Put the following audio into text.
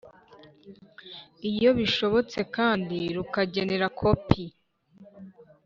iyo bishobotse, kandi rukagenera kopi